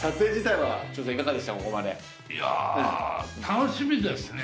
楽しみですね